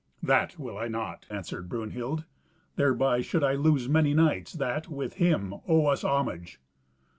"That will I not," answered Brunhild. "Thereby should I lose many knights that, with him, owe us homage."